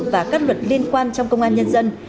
và các luật liên quan trong công an nhân dân